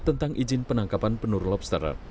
tentang izin penangkapan penur lobster